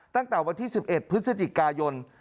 ตั้งแต่วันที่๑๑พฤศจิกายน